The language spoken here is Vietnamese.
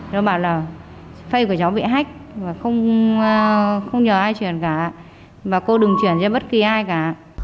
nó bảo là phây của cháu bị hách và không nhờ ai chuyển cả và cô đừng chuyển cho bất kỳ ai cả